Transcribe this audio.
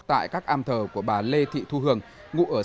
tại các am thờ của bà lê thị thu hường ngụ ở xã tân tiến